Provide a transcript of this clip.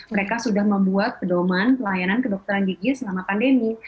mereka sudah membuat pedoman pelayanan kedokteran gigi selama pandemi